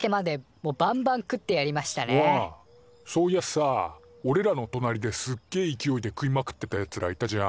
おうそういやさおれらのとなりですっげえ勢いで食いまくってたやつらいたじゃん。